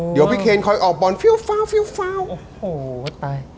เดี๋ยวพี่เคนค่อยออกบอนฟิวฟาวฟิวฟาวโอ้โหตาย